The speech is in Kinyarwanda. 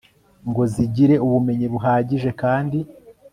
ngo zigire ubumenyi buhagije kandi